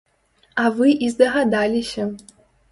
А вы і здагадаліся.